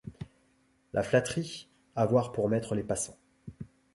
La flatterie ! avoir pour maîtres les passants !